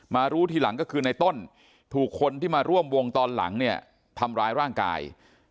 รู้ทีหลังก็คือในต้นถูกคนที่มาร่วมวงตอนหลังเนี่ยทำร้ายร่างกาย